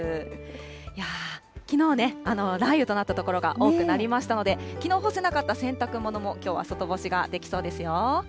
いやー、きのうね、雷雨となった所が多くなりましたので、きのう干せなかった洗濯物もきょうは外干しができそうですよ。